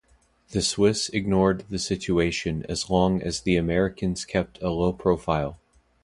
The Swiss ignored the situation as long as the Americans kept a low profile.